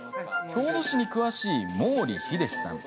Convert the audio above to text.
郷土史に詳しい毛利秀士さん。